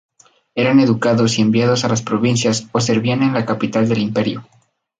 Eran educados y enviados a las provincias o servían en la capital del Imperio.